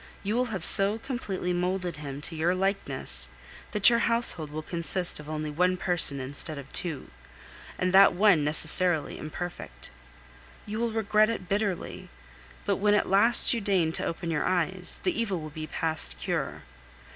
You will have so completely moulded him to your likeness, that your household will consist of only one person instead of two, and that one necessarily imperfect. You will regret it bitterly; but when at last you deign to open your eyes, the evil will be past cure.